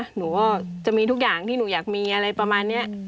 หนูก็จะมีทุกอย่างที่หนูอยากมีอะไรประมาณนี้